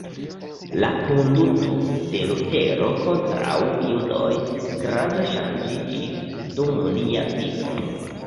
La konduto de Lutero kontraŭ judoj grave ŝanĝiĝis dum lia vivo.